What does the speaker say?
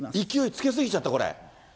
勢いつけ過ぎちゃった、これ。